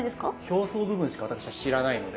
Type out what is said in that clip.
表層部分しか私は知らないので。